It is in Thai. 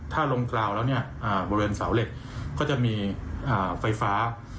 ถ้าลงกราวแล้วเนี่ยบริเวณเสาเหล็กก็จะมีไฟฟ้า